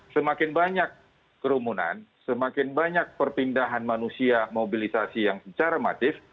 semakin banyak kerumunan semakin banyak perpindahan manusia mobilisasi yang secara masif